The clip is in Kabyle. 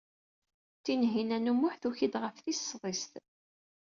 Tinhinan u Muḥ tuki-d ɣef tis sḍiset.